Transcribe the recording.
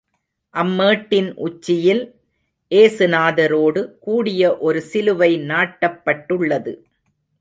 அம்மேட்டின் உச்சியில் ஏசு நாதரோடு கூடிய ஒரு சிலுவை நாட்டப்பட்டுள்ளது.